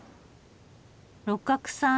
六角さん